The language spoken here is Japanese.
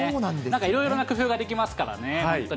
いろいろな工夫ができますからね。